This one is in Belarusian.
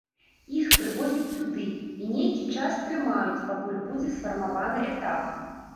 Іх прывозяць сюды і нейкі час трымаюць, пакуль будзе сфармаваны этап.